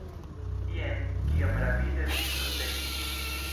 Jen, kiom rapide vi surteriĝis!